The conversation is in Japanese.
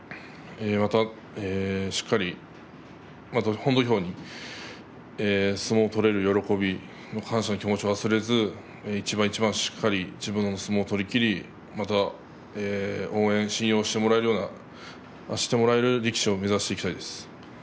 またしっかり本土俵に相撲を取れる喜び感謝の気持ちを忘れず一番一番しっかり自分の相撲を取りきり、また応援、信用してもらえるようなしてもらえる力士を目指していきたいです。